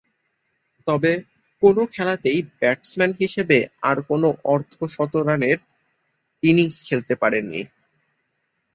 তবে, কোন খেলাতেই ব্যাটসম্যান হিসেবে আর কোন অর্ধ-শতরানের ইনিংস খেলতে পারেননি।